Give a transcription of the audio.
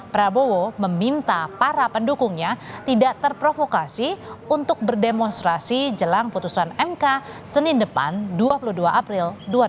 prabowo meminta para pendukungnya tidak terprovokasi untuk berdemonstrasi jelang putusan mk senin depan dua puluh dua april dua ribu dua puluh